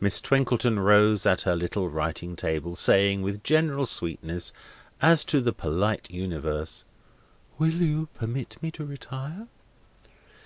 Miss Twinkleton rose at her little writing table, saying, with general sweetness, as to the polite Universe: "Will you permit me to retire?"